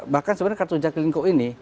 bahkan sebenarnya kartu jack linko ini